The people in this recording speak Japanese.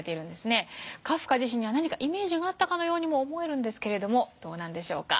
カフカ自身には何かイメージがあったかのようにも思えますがどうなんでしょうか。